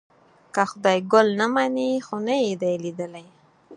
که خدای ګل نه مني خو نه یې دی لیدلی.